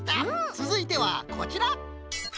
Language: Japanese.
つづいてはこちら！